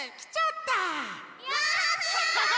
やった！